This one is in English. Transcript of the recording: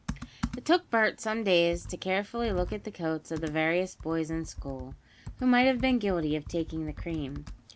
It took Bert some days to look carefully at the coats of the various boys in school, who might have been guilty of taking the cream.